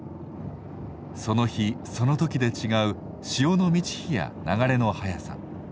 その日その時で違う潮の満ち干や流れの速さ。